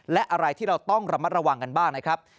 และอะไรที่เราต้องระมัดระวังกันบ้างนะครับ